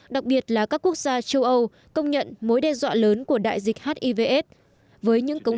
đặc biệt là các quốc gia châu âu công nhận mối đe dọa lớn của đại dịch hivs với những cống